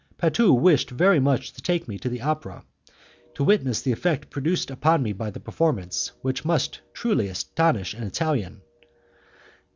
Patu wished very much to take me to the opera in order to witness the effect produced upon me by the performance, which must truly astonish an Italian.